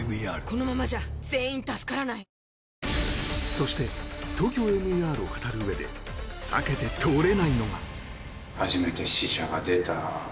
そして「ＴＯＫＹＯＭＥＲ」を語る上で避けて通れないのがですかねえ